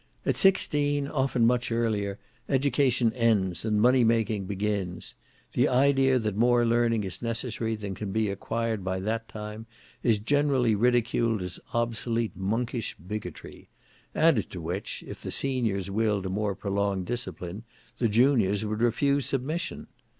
At sixteen, often much earlier, education ends, and money making begins; the idea that more learning is necessary than can be acquired by that time, is generally ridiculed as obsolete monkish bigotry; added to which, if the seniors willed a more prolonged discipline, the juniors would refuse submission.